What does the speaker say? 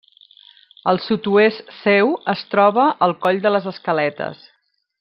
Al sud-oest seu es troba el coll de les Escaletes.